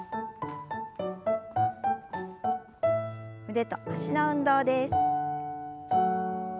腕と脚の運動です。